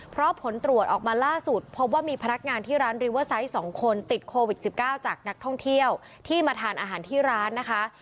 เพราะผลตรวจออกมาล่าสุดพบว่ามีพนักงานที่ร้านริเวอร์ไซต์๒คนติดโควิด๑๙จากนักท่องเที่ยวที่มาทานอาหารที่ร้านนะคะ